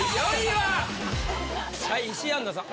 はい石井杏奈さん。